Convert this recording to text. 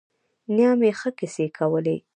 نیا مې ښه کیسې کولې.